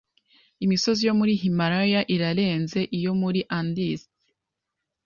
Imisozi yo muri Himalaya irarenze iyo muri Andes.